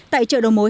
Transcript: tại chợ đồng mối